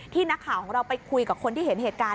นักข่าวของเราไปคุยกับคนที่เห็นเหตุการณ์